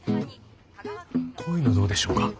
こういうのどうでしょうか？